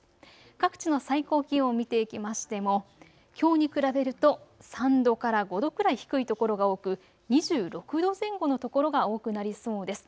各地の最高気温を見ていきましてもきょうに比べると３度から５度くらい低い所が多く２６度前後の所が多くなりそうです。